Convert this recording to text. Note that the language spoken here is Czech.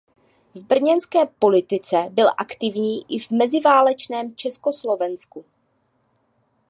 V brněnské politice byl aktivní i v meziválečném Československu.